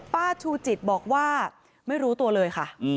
ชูจิตบอกว่าไม่รู้ตัวเลยค่ะ